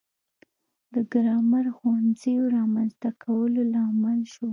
د ګرامر ښوونځیو رامنځته کولو لامل شو.